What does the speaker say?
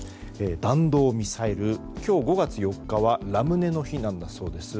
弾道ミサイル今日５月４日はラムネの日なんだそうです。